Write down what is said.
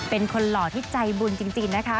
เป็นคนหล่อที่ใจบุญจริงนะคะ